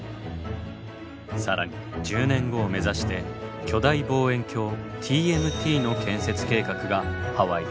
更に１０年後を目指して巨大望遠鏡ＴＭＴの建設計画がハワイで進行中。